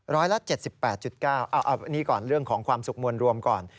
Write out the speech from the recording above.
ร้อยละ๗๘๙เอานี่ก่อนเรื่องของความสุขมวลรวมก่อน